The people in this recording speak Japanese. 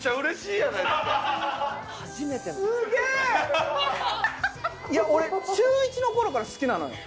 いや俺中１の頃から好きなのよ。